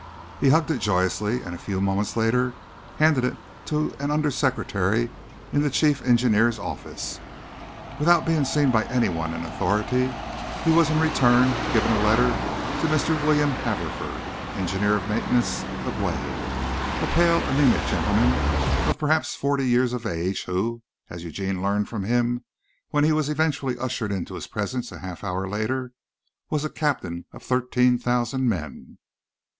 He hugged it joyously, and a few moments later handed it to an under secretary in the Chief Engineer's office. Without being seen by anyone in authority he was in return given a letter to Mr. William Haverford, "Engineer of Maintenance of Way," a pale, anæmic gentleman of perhaps forty years of age, who, as Eugene learned from him when he was eventually ushered into his presence a half hour later, was a captain of thirteen thousand men.